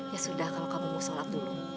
ya sudah kalau kamu mau sholat dulu